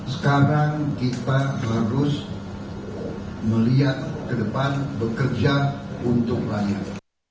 sekarang kita harus melihat ke depan bekerja untuk rakyat